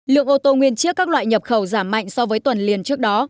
lượng ô tô nguyên chiếc các loại nhập khẩu giảm mạnh so với tuần liền trước đó